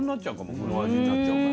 この味になっちゃうから。